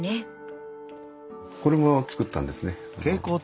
これも作ったんですね